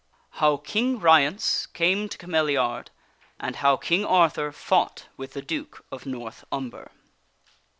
How King Ryence Came to Cameliard and How King Arthur Fought With the Duke of North Umber.